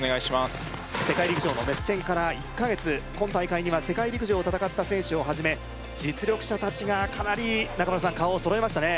世界陸上の熱戦から１か月今大会には世界陸上を戦った選手をはじめ実力者たちがかなり中村さん顔を揃えましたね